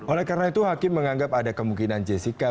oleh karena itu hakim menganggap ada kemungkinan jessica